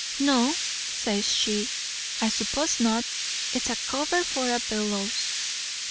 'No,' says she, 'I s'pose not. It's a cover for a bellows.'